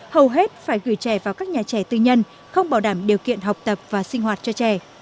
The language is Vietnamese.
hầu hết phải gửi trẻ vào các nhà trẻ tư nhân không bảo đảm điều kiện học tập và sinh hoạt cho trẻ